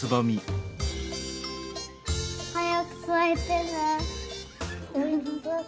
はやくさいてね。